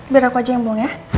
biar aku aja yang bong ya